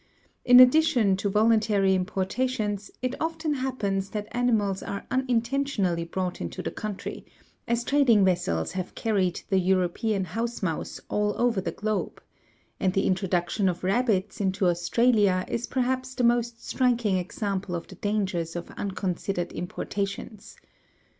In addition to voluntary importations, it often happens that animals are unintentionally brought into the country, as trading vessels have carried the European house mouse all over the globe, and the introduction of rabbits into Australia is perhaps the most striking example of the dangers of unconsidered importations.